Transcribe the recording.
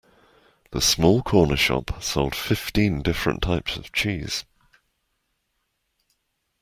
The small corner shop sold fifteen different types of cheese